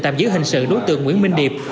tạm giữ hình sự đối tượng nguyễn minh điệp